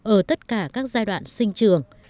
ở tất cả các giai đoạn sinh trường